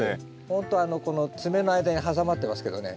ほんとこの爪の間に挟まってますけどね。